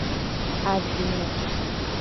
Ajino.